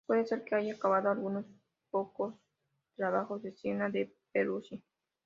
Puede ser que haya acabado algunos pocos trabajos de Siena de Peruzzi.